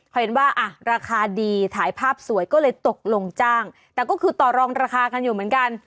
เขาเห็นว่าอ่ะราคาดีถ่ายภาพสวยก็เลยตกลงจ้างแต่ก็คือต่อรองราคากันอยู่เหมือนกัน